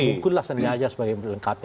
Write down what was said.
mungkinlah sandiaga sebagai yang melengkapi